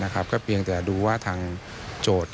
ก็เพียงแต่ดูว่าทางโจทย์